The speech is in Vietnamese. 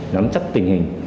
nắm chắc tình hình